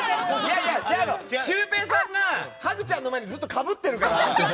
違うの、シュウペイさんがハグちゃんの前にずっとかぶっているから。